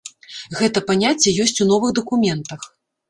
Гэта паняцце ёсць у новых дакументах.